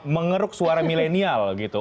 mengeruk suara milenial gitu